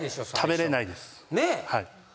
食べれないです。